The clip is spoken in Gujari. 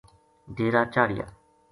ڈیرا چاھڑیا